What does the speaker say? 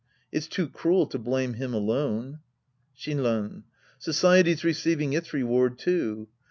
It's too cruel to blame him alone. Shinran. Society's receiving its reward too.